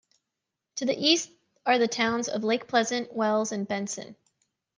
To the east are the Towns of Lake Pleasant, Wells, and Benson.